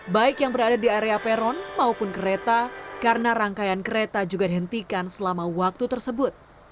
baik yang berada di area peron maupun kereta karena rangkaian kereta juga dihentikan selama waktu tersebut